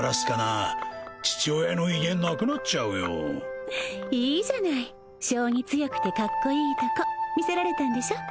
あ父親の威厳なくなっちゃうよいいじゃない将棋強くてカッコいいとこ見せられたんでしょ？